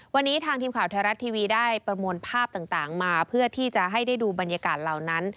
วันนี้ทางทีมข่าวไทยรัฐทีวีได้ประมวลภาพต่างมาเพื่อที่จะให้ได้ดูบรรยากาศเหล่านั้น